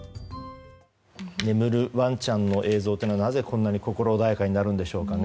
眠るワンちゃんの映像というのはなぜ、こんなに心穏やかになるんでしょうかね。